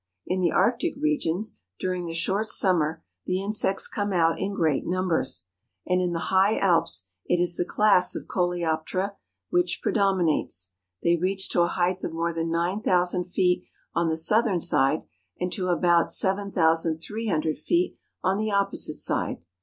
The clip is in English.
In the Arctic regions, during the short summer, the insects come out in great numbers. And in the high Alps it is the class of coleoptera which predominates; they reach to a height of more than 9000 feet on the southern side, and to about 7300 feet on the opposite side.